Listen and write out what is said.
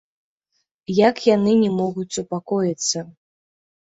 Як яны не могуць супакоіцца.